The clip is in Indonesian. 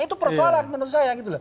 itu persoalan menurut saya